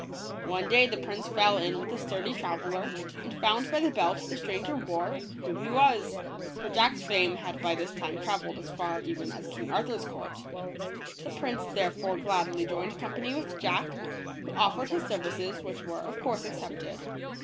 One day the prince fell in with a sturdy traveler, and found by the belt the stranger wore, who he was; for Jack's fame had by this time traveled as far even as King Arthurs court The prince therefore gladly joined company with Jack, who offered his services, which were, of course, accepted.